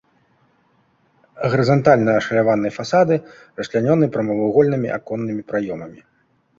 Гарызантальна ашаляваныя фасады расчлянёны прамавугольнымі аконнымі праёмамі.